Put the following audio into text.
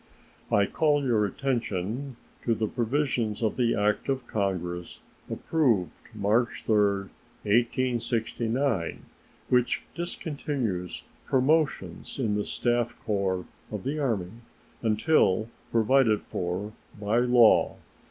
I call your attention to the provisions of the act of Congress approved March 3, 1869, which discontinues promotions in the staff corps of the Army until provided for by law.